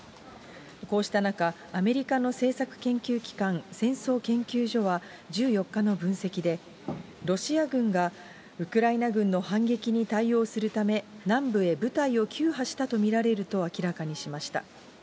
こうした中、アメリカの政策研究機関、戦争研究所は、１４日の分析で、ロシア軍がウクライナ軍の反撃に対応するため、南部へ部隊を急派したと見られると明らかにしました。